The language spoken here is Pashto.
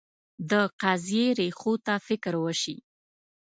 د قضیې ریښو ته فکر وشي.